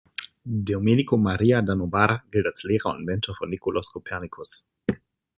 Domenico Maria da Novara gilt als Lehrer und Mentor von Nikolaus Kopernikus.